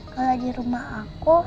kalau di rumah aku